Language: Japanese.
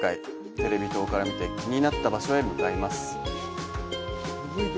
テレビ塔から見て、気になった場所へ向かいます。